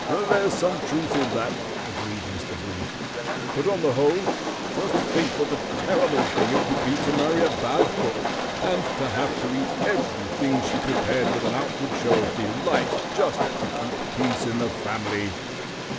"There's some truth in that," agreed Mr. Brief; "but, on the whole, just think what a terrible thing it would be to marry a bad cook, and to have to eat everything she prepared with an outward show of delight just to keep peace in the family."